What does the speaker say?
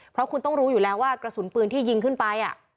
เพราะคุณต้องรู้อยู่แล้วว่ากระสุนปืนที่ยิงขึ้นไป